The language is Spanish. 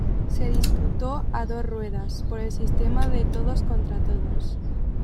Se disputó a dos ruedas, por el sistema de todos contra todos.